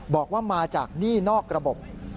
บอกว่ามาจากหนี้นอกระบบ